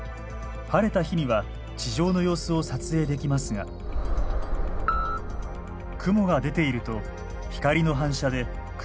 晴れた日には地上の様子を撮影できますが雲が出ていると光の反射で雲しか写りません。